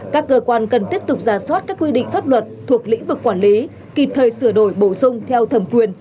các cơ quan cần tiếp tục giả soát các quy định pháp luật thuộc lĩnh vực quản lý kịp thời sửa đổi bổ sung theo thẩm quyền